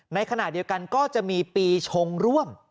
ในขณะเดียวกันก็จะมีปีชงร่วม